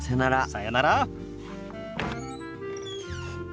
さよなら。